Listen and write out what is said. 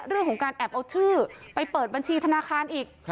เรื่องของการแอบเอาชื่อไปเปิดบัญชีธนาคารอีก